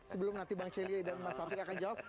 sebelum nanti bang celi dan mas safri akan jawab